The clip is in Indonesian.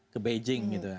ke beijing gitu ya